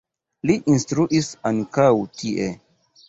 Li instruis ankaŭ tie.